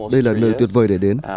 đây là nơi tuyệt vời để đến